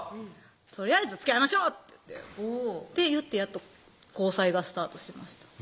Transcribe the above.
「とりあえずつきあいましょう！」って言ってやっと交際がスタートしました